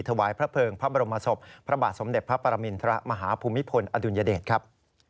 ถวายพระเภิงพระบรมศพพระบาทสมเด็จพระปรมินทรมาฮภูมิพลอดุลยเดชครับ